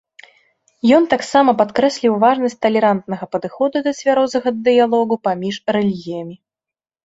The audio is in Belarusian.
Ён таксама падкрэсліў важнасць талерантнага падыходу да цвярозага дыялогу паміж рэлігіямі.